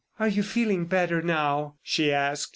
"Are you feeling better now?" she asked.